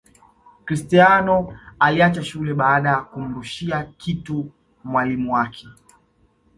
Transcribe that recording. Cristiano aliacha shule baada ya kumrushia kitu mwalimu wake